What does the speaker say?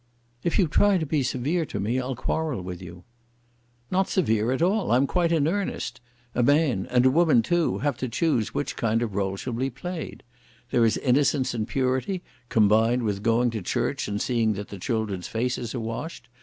"If you try to be severe to me, I'll quarrel with you." "Not severe at all. I'm quite in earnest. A man, and a woman too, have to choose which kind of role shall be played. There is innocence and purity, combined with going to church and seeing that the children's faces are washed.